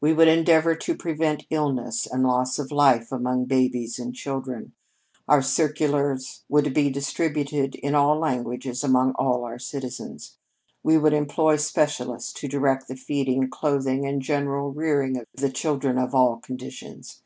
"We would endeavor to prevent illness and loss of life among babies and children. Our circulars would be distributed in all languages among all of our citizens. We would employ specialists to direct the feeding, clothing, and general rearing of the children of all conditions.